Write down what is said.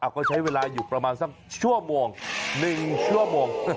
ก็ใช้เวลาอยู่ประมาณสักชั่วโมง๑ชั่วโมง